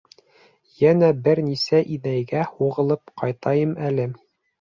Йәнә бер нисә инәйгә һуғылып ҡайтайым әле.